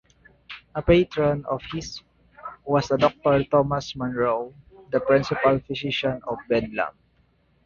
A patron of his was Doctor Thomas Monro, the Principal Physician of Bedlam.